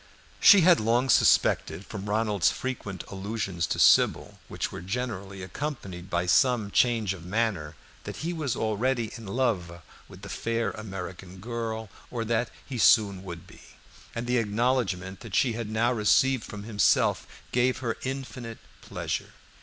She had long suspected, from Ronald's frequent allusions to Sybil, which were generally accompanied by some change of manner, that he was either already in love with the fair American girl, or that he soon would be, and the acknowledgment she had now received from himself gave her infinite pleasure.